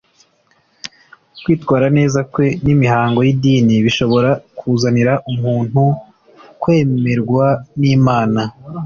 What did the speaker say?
kwitwara neza kwe, n'imihango y'idini bishobora kuzanira umuntu kwemerwa n'Imana